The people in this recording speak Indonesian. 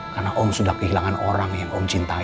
karena om sudah kehilangan orang yang om cintai